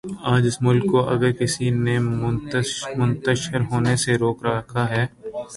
آج اس ملک کو اگر کسی نے منتشر ہونے سے روک رکھا ہے۔